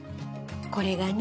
これがね